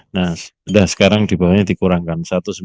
nah sudah sekarang dibawahnya dikurangkan